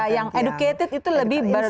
yang educated itu lebih